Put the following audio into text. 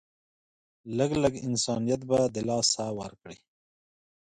لږ لږ انسانيت به د لاسه ورکړي